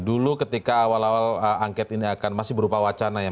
dulu ketika awal awal angket ini akan masih berupa wacana ya